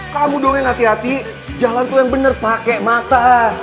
kamu dong yang hati hati jalan tuh yang benar pake mata